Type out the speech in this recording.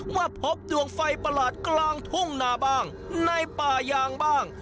พบดวงไฟประหลาดกลางทุ่งนาบ้างในป่ายางบ้าง